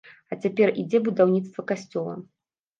А цяпер ідзе будаўніцтва касцёла.